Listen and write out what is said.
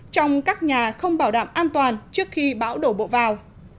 trong các nhà không bảo đảm an toàn trước khi bão đổ bộ vào